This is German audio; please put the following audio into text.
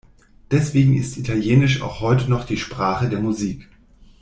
Deswegen ist Italienisch auch heute noch die Sprache der Musik.